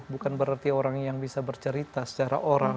bukan berarti orang yang bisa bercerita secara orang